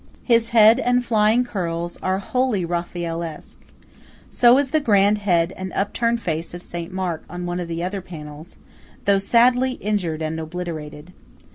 His head and flying curls are wholly Raffaellesque. So is the grand head and upturned face of Saint Mark on one of the other panels, though sadly injured and obliterated.